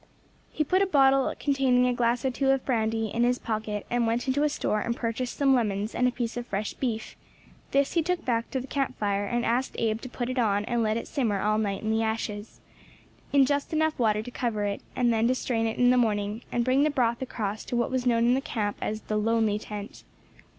He put a bottle containing a glass or two of brandy in his pocket, and went into a store and purchased some lemons and a piece of fresh beef; this he took back to the camp fire, and asked Abe to put it on and let it simmer all night in the ashes, in just enough water to cover it, and then to strain it in the morning, and bring the broth across to what was known in the camp as the "lonely tent."